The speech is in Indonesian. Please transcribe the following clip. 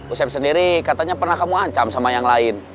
usep sendiri katanya pernah kamu ancam sama yang lain